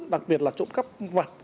đặc biệt là trộm cắp vật